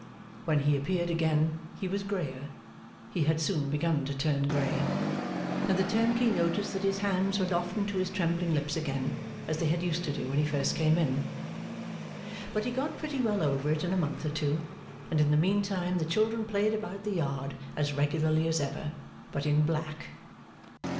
When he appeared again he was greyer (he had soon begun to turn grey); and the turnkey noticed that his hands went often to his trembling lips again, as they had used to do when he first came in. But he got pretty well over it in a month or two; and in the meantime the children played about the yard as regularly as ever, but in black.